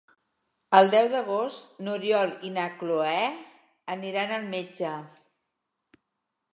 El deu d'agost n'Oriol i na Cloè aniran al metge.